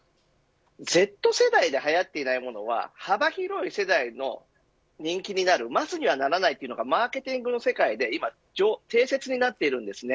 Ｚ世代ではやっていないものは幅広い世代の人気になるマスにはならないというのがマーケティングの世界で定説になっています。